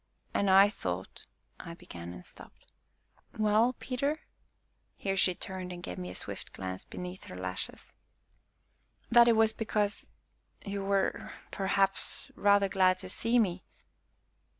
"And I thought " I began, and stopped. "Well, Peter?" Here she turned, and gave me a swift glance beneath her lashes. " that it was because you were perhaps rather glad to see me."